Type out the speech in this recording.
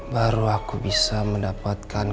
baru aku bisa mendapatkan